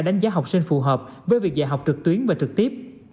đánh giá học sinh phù hợp với việc dạy học trực tuyến và trực tiếp